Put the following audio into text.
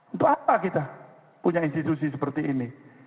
untuk apa kita punya institusi seperti ini